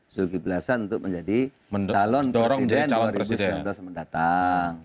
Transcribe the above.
zulkifli hasan untuk menjadi calon presiden dua ribu sembilan belas mendatang